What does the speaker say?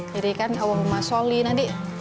jadi kan awal rumah soli nanti